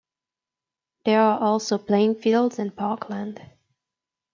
There are also playing fields and parkland.